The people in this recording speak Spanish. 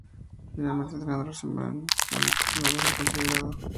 Finalmente el entrenador Simeone le comunicó que no iba a ser considerado.